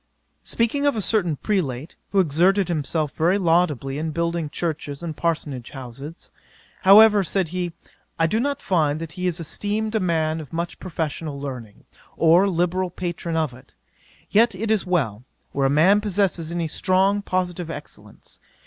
'Speaking of a certain Prelate, who exerted himself very laudably in building churches and parsonage houses; "however, said he, I do not find that he is esteemed a man of much professional learning, or a liberal patron of it; yet, it is well, where a man possesses any strong positive excellence.